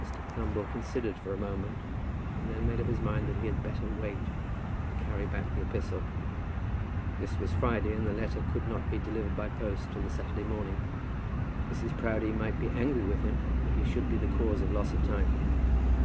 Mr. Thumble considered for a moment, and then made up his mind that he had better wait, and carry back the epistle. This was Friday, and the letter could not be delivered by post till the Saturday morning. Mrs. Proudie might be angry with him if he should be the cause of loss of time.